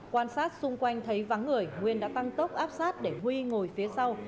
quan sát xung quanh thấy vắng người nguyên đã tăng tốc áp sát để huy ngồi phía sau